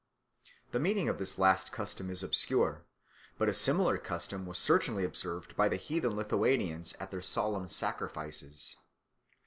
The meaning of this last custom is obscure, but a similar custom was certainly observed by the heathen Lithuanians at their solemn sacrifices.